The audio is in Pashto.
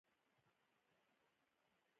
زه د شنو میدانونو منظر خوښوم.